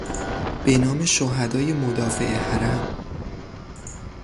به نام شهدای مدافع حرم